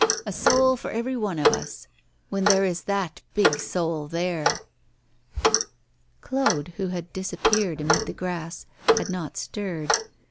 a soul for every one of us, when there is that big soul there!' Claude, who had disappeared amid the grass, had not stirred.